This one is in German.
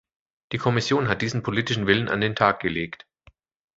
Die Kommission hat diesen politischen Willen an den Tag gelegt.